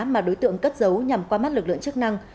mà đối tượng cất giấu nhằm qua mắt lực lượng chức năng